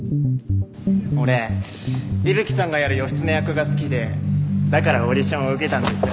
俺伊吹さんがやる義経役が好きでだからオーディションを受けたんです。